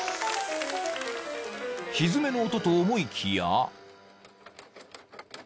［ひづめの音と思いきや］